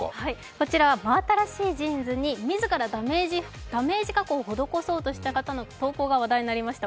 こちらは真新しいジーンズに自らダメージ加工を施そうとした方の投稿が話題になりました。